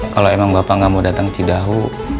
kalau emang bapak nggak mau datang ke cidahu